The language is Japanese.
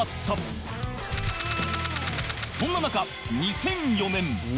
そんな中２００４年